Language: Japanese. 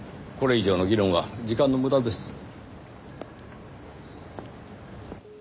これ以上の議論は時間の無駄です。